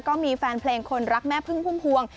ก็มีแฟนเพลงคนรักแม่พึ่งพุ่มพวง